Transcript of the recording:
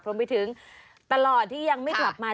รวมไปถึงตลอดที่ยังไม่กลับมา